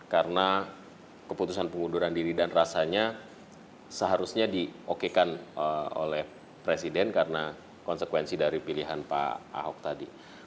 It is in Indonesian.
karena keputusan pengunduran diri dan rasanya seharusnya di okekan oleh presiden karena konsekuensi dari pilihan pak hock tadi